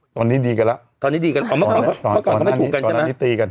ตอนนี้ดีกันแล้วตอนนี้ดีกันอ๋อเมื่อก่อนเขาไม่ถูกกันใช่ไหมตอนนั้นนี้ตีกัน